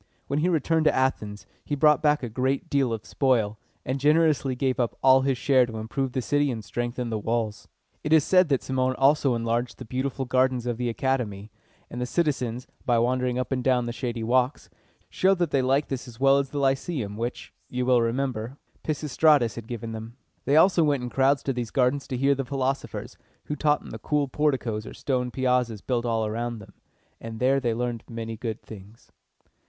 When he returned to Athens, he brought back a great deal of spoil, and generously gave up all his share to improve the city and strengthen the walls. [Illustration: The Theseum.] It is said that Cimon also enlarged the beautiful gardens of the A cad´e my; and the citizens, by wandering up and down the shady walks, showed that they liked this as well as the Lyceum, which, you will remember, Pisistratus had given them. They also went in crowds to these gardens to hear the philosophers, who taught in the cool porticoes or stone piazzas built all around them, and there they learned many good things.